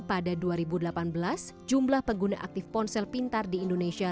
pada dua ribu delapan belas jumlah pengguna aktif ponsel pintar di indonesia